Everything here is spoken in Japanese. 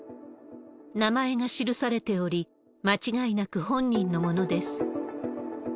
名前が記されており、間違いなく本人のものです。